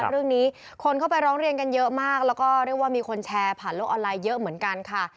เรื่องนี้คนเข้าไปร้องเรียนกันเยอะมากแล้วก็เรียกว่ามีคนแชร์ผ่านโลกออนไลน์เยอะเหมือนกันค่ะ